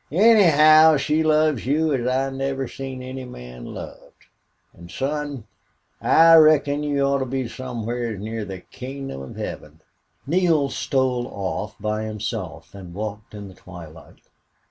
Anyhow, she loves you as I never seen any man loved.... An', son, I reckon you oughter be somewhars near the kingdom of heaven!" Neale stole off by himself and walked in the twilight.